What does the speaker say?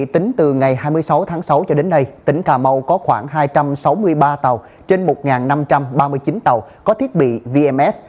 tính từ ngày hai mươi sáu tháng sáu cho đến nay tỉnh cà mau có khoảng hai trăm sáu mươi ba tàu trên một năm trăm ba mươi chín tàu có thiết bị vms